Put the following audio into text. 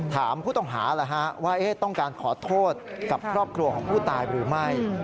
ถามผู้ต้องหาว่าต้องการขอโทษกับครอบครัวของผู้ตายหรือไม่